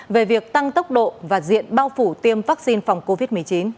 về việc tăng tốc độ và diện bao phủ tiêm vaccine phòng covid một mươi chín